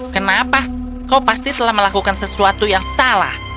kenapa kau pasti telah melakukan sesuatu yang salah